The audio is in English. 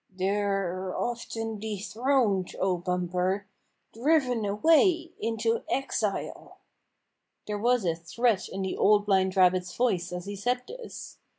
" They're often dethroned, O Bumper, driven away into exile !" There was a threat in the Old Blind Rabbit's voice as he said this.